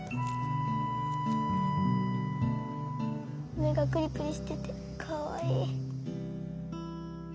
目がクリクリしててかわいい。